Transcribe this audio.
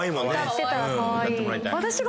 歌ってたらかわいい。